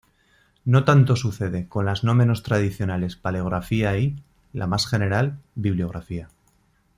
No tanto sucede con las no menos tradicionales Paleografía y, la más general, Bibliografía.